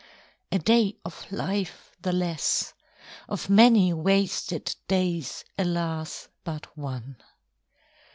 A day of life the less; Of many wasted days, alas, but one!